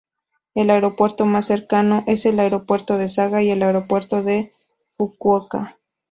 El aeropuerto más cercano es el aeropuerto de Saga y el aeropuerto de Fukuoka.